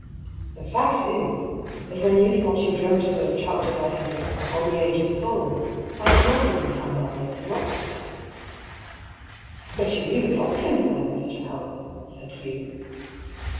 The fact is, that when you thought you dreamt of those chapters I headed ^ On the Age of Souls,' I had not even planned out their synopsis." 244 I>S. PAULL'S THEORY. "But you knew the doctrines then, Mr. Helven," said Hugh.